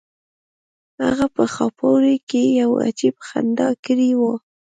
هغه په خاپوړو کې یو عجیب خندا کړې وه